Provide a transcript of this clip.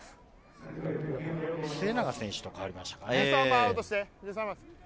末永選手と代わりましたかね。